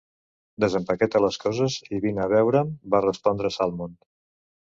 "Desempaqueta les coses i vine a veure'm", va respondre Salmond.